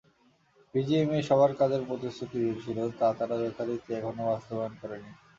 BGMEA সবার কাজের প্রতিশ্রুতি দিয়েছিল, তা তারা যথারীতি এখনো বাস্তবায়ন করেনি।